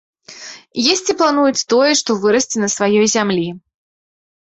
Есці плануюць тое, што вырасце на сваёй зямлі.